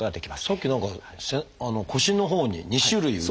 さっき何か腰のほうに２種類打つ。